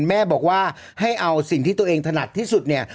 แม่บอกว่าให้เอาสิ่งที่ตัวเองถนัดที่สุดเนี่ย